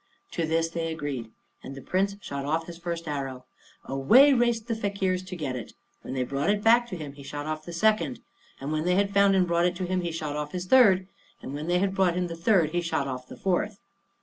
To this they agreed. And the Prince shot off his first arrow. Away raced the fakeers to get it. When they brought it back to him he shot off the second, and when they had found and brought it to him he shot off his third, and when they had brought him the third he shot off the fourth.